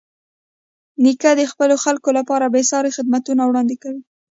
نیکه د خپلو خلکو لپاره بېساري خدمتونه وړاندې کوي.